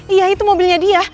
iya itu mobilnya dia